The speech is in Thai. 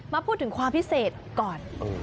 มาพูดถึงความพิเศษก่อน